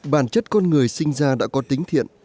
bản chất con người sinh ra đã có tính thiện